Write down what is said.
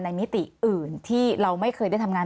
มิติอื่นที่เราไม่เคยได้ทำงาน